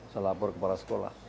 saya lapor ke kepala sekolah